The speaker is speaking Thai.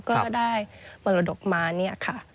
ก็ได้มรดกมาเนี่ยค่ะ